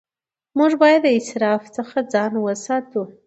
موږ باید د اسراف څخه ځان وساتو